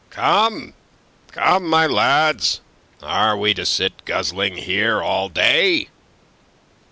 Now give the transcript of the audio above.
"Come, come, my lads! Are we to sit guzzling here all day?